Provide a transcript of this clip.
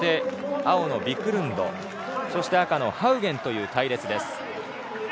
青のビクルンド赤のハウゲンという隊列です。